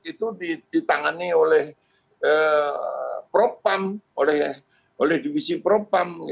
itu ditangani oleh propam oleh divisi propam